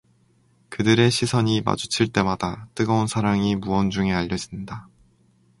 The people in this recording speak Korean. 그들의 시선이 마주칠 때마다 뜨거운 사랑이 무언중에 알려진다.